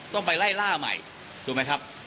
ต้องไปไล่ล่าใหม่ถูกไหมครับ